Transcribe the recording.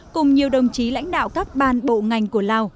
cùng nhiều đồng chí lãnh đạo các ban bộ ngành của lào